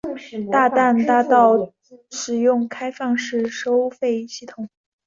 大淡大道使用开放式收费系统。